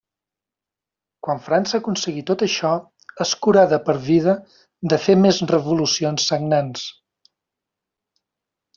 Quan França aconseguí tot això, es curà de per vida de fer més revolucions sagnants.